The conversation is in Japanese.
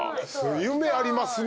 夢ありますね